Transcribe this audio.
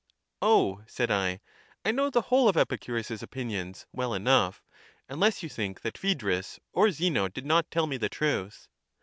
Oh," said I, I know the whole of Epicurus's opinions well enough, — unless you think that Phaedrus or Zeno did not tell me the truth.